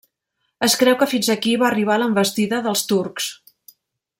Es creu que fins aquí va arribar l'envestida dels turcs.